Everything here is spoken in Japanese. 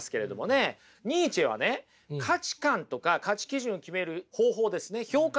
ニーチェはね価値観とか価値基準決める方法ですね評価